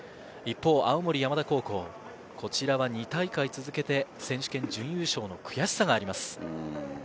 一方、青森山田高校、こちらは２大会続けて選手権準優勝の悔しさがあります。